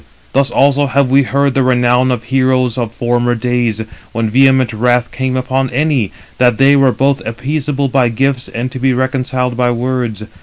Thus also have we heard the renown of heroes of former days, when vehement wrath came upon any, [that] they were both appeasable by gifts, and to be reconciled by words.